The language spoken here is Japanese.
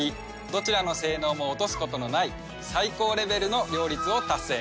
どちらの性能も落とすことのない最高レベルの両立を達成。